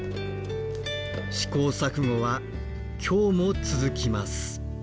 試行錯誤は今日も続きます。